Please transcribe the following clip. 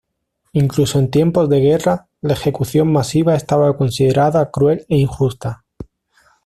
Incluso en tiempos de guerra, la ejecución masiva estaba considerada cruel e injusta.